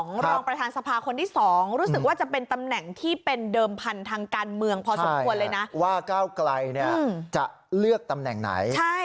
กรณีตำแหน่งความมออ๋อ๋น